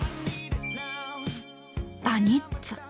バニッツァ。